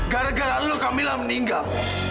gara gara lo kamila meninggal